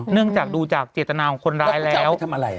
เนื่องจากดูจากเจตนาของคนร้ายแล้ว